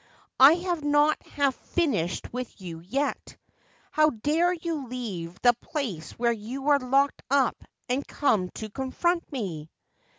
' I have not half finished with you yet. How dare you leave the place where you were locked up and come to confront me?